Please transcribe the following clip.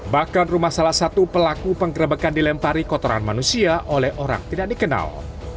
bahkan rumah salah satu pelaku penggerebekan dilempari kotoran manusia oleh orang tidak dikenal